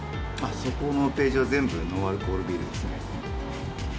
そこのページは全部ノンアルコールビールですね。